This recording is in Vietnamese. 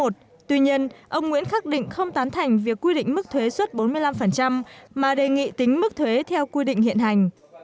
tuy nhiên ông nguyễn khắc định không tán thành việc quy định mức thuế suốt bốn mươi năm mà đề nghị tính mức thuế theo quy định hiện hành